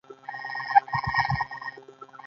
آیا موږ ټول یو موټی یو؟